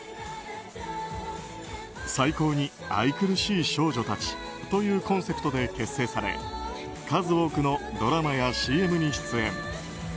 最高に愛くるしい少女たちというコンセプトで結成され数多くのドラマやＣＭに出演。